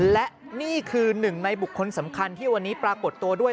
และนี่คือหนึ่งในบุคคลสำคัญที่วันนี้ปรากฏตัวด้วย